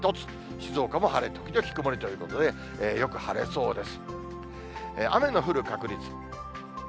静岡も晴れ時々曇りということで、よく晴れそうです。